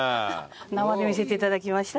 生で見せて頂きました。